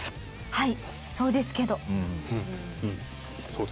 はい。